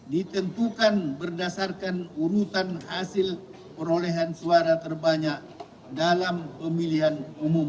ditentukan berdasarkan urutan hasil perolehan suara terbanyak dalam pemilihan umum